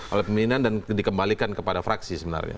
oleh pimpinan dan dikembalikan kepada fraksi sebenarnya